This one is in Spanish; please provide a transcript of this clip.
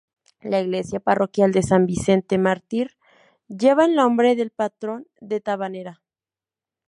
La iglesia parroquial de San Vicente Mártir lleva el nombre del patrón de Tabanera.